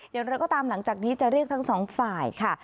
อย่างไรก็ตามหลังจากนี้จะเรียกทั้งสองฝ่ายค่ะ